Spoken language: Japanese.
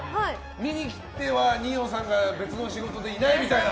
見に来ては、二葉さんが別の仕事でいないみたいな。